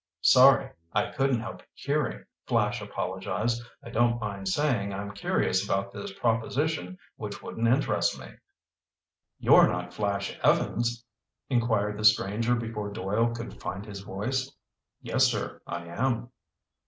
"Sorry. I couldn't help hearing," Flash apologized. "I don't mind saying I'm curious about this proposition which wouldn't interest me." "You're not Flash Evans?" inquired the stranger before Doyle could find his voice. "Yes, sir, I am."